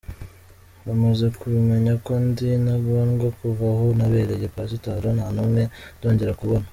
Bamaze kubimenya ko ndi intagondwa kuva aho nabereye Pasitoro nta n’umwe ndongera kubona.